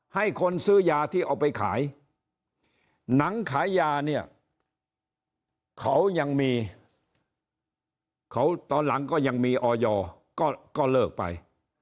ให้คนซื้อยาที่เอาไปขายหนังขายยาเนี่ยเขายังมีเขาตอนหลังก็ยังมีออยก็เลิกไป